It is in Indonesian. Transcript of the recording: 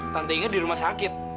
tante inga di rumah sakit